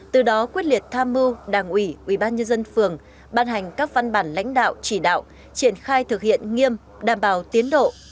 từ đó quyết liệt tham mưu đảng ủy ủy ban nhân dân phường ban hành các văn bản lãnh đạo chỉ đạo triển khai thực hiện nghiêm đảm bảo tiến độ